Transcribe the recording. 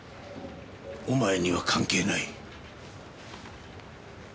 お前には関係ない。